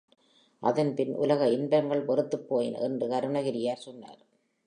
அதன்பின் உலக இன்பங்கள் வெறுத்துப் போயின என்று அருணகிரியார் சொன்னார்.